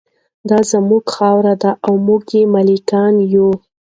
دا زموږ خاوره ده او موږ یې مالکان یو.